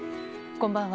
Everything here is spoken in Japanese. こんばんは。